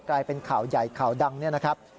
กลายเป็นข่าวใหญ่ข่าวดังเนี่ยนะครับ